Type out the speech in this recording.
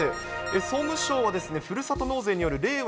総務省はふるさと納税による令和